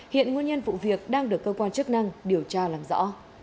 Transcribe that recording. hiện nguyên nhân vụ việc đang được cơ quan chức năng điều tra làm rõ